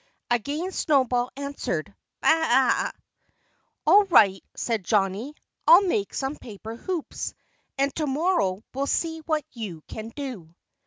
Again Snowball answered, "Baa a a!" "All right!" said Johnnie. "I'll make some paper hoops. And to morrow we'll see what you can do."